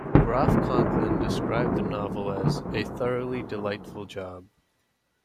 Groff Conklin described the novel as "a thoroughly delightful job".